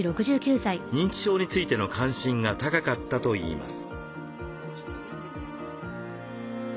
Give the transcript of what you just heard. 認知症についての関心が高かったといいます。